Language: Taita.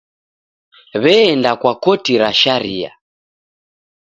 W'eenda kwa koti ra sharia.